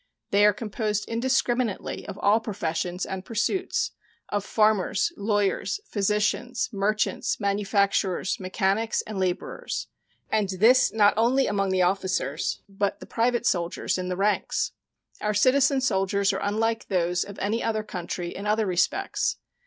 They are composed indiscriminately of all professions and pursuits of farmers, lawyers, physicians, merchants, manufacturers, mechanics, and laborers and this not only among the officers, but the private soldiers in the ranks. Our citizen soldiers are unlike those of any other country in other respects.